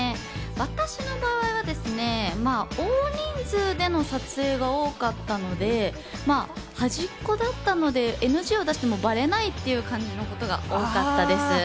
私の場合はですね、多人数での撮影が多かったので、端っこだったので、ＮＧを出してもバレないっていう感じのことが多かったです。